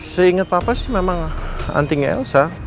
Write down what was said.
seinget papa sih memang antingnya elsa